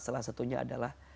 salah satunya adalah